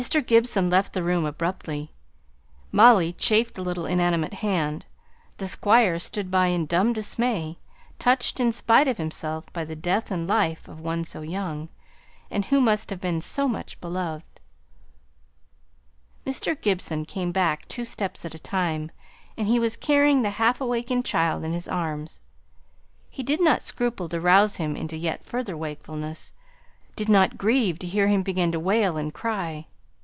Gibson left the room abruptly; Molly chafed the little inanimate hand; the Squire stood by in dumb dismay, touched in spite of himself by the death in life of one so young, and who must have been so much beloved. Mr. Gibson came back two steps at a time; he was carrying the half awakened child in his arms. He did not scruple to rouse him into yet further wakefulness did not grieve to hear him begin to wail and cry.